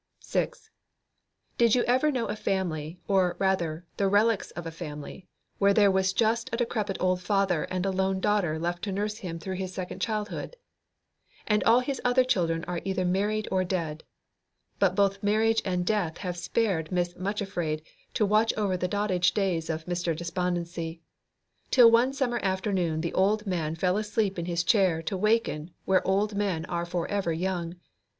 6. Did you ever know a family, or, rather, the relics of a family, where there was just a decrepit old father and a lone daughter left to nurse him through his second childhood? All his other children are either married or dead; but both marriage and death have spared Miss Much afraid to watch over the dotage days of Mr. Despondency; till one summer afternoon the old man fell asleep in his chair to waken where old men are for ever young.